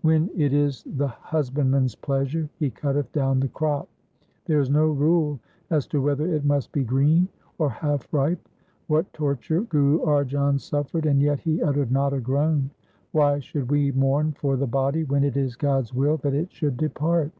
2 ' When it is the Husbandman's pleasure He cutteth down the crop. There is no rule as to whether it must be green or half ripe. What torture Guru Arjan suffered, and yet he uttered not a groan ! Why should we mourn for the body when it is God's will that it should depart.